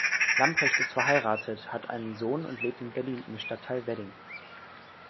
Lamprecht ist verheiratet, hat einen Sohn und lebt in Berlin im Stadtteil Wedding.